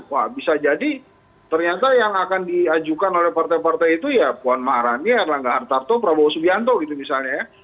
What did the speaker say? wah bisa jadi ternyata yang akan diajukan oleh partai partai itu ya puan maharani erlangga hartarto prabowo subianto gitu misalnya ya